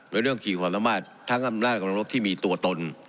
ในเรื่องขี่ขวัญละบาททั้งอำนาจกรรมรกษ์ที่มีตัวตน